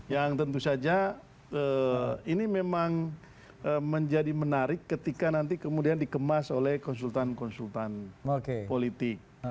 yang tentu saja ini memang menjadi menarik ketika nanti kemudian dikemas oleh konsultan konsultan politik